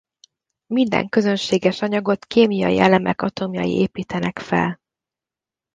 Minden közönséges anyagot kémiai elemek atomjai építenek fel.